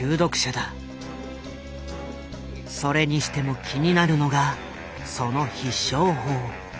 それにしても気になるのがその必勝法。